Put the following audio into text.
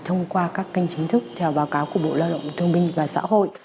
thông qua các kênh chính thức theo báo cáo của bộ lao động thương minh và xã hội